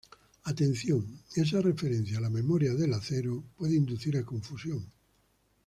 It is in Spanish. Atención: esa referencia a la "memoria del acero" puede inducir a confusión.